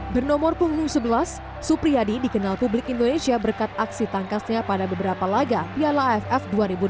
bernomor punggung sebelas supriyadi dikenal publik indonesia berkat aksi tangkasnya pada beberapa laga piala aff dua ribu delapan belas